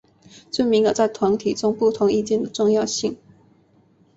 证明了在团体中不同意见的重要性。